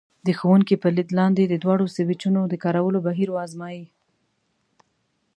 د ښوونکي په لید لاندې د دواړو سویچونو د کارولو بهیر وازمایئ.